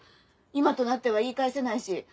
今となっては言い返せないし。